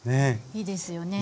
いいですよね。